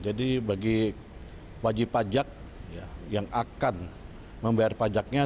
jadi bagi wajib pajak yang akan membayar pajaknya